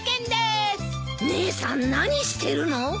姉さん何してるの？